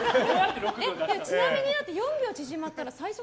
ちなみに４秒縮まったら最速？